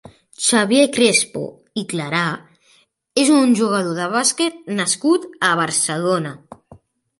Xavier Crespo i Clarà és un jugador de bàsquet nascut a Barcelona.